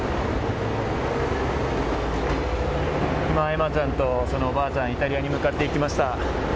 今、エマちゃんとそのおばあちゃん、イタリアに向かっていきました。